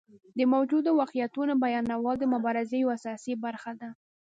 د موجودو واقعیتونو بیانول د مبارزې یوه اساسي برخه ده.